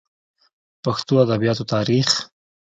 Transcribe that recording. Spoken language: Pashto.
پښتو ادبياتو تاريخ